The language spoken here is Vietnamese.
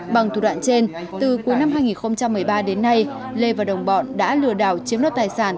bằng thủ đoạn trên từ cuối năm hai nghìn một mươi ba đến nay lê và đồng bọn đã lừa đảo chiếm đoạt tài sản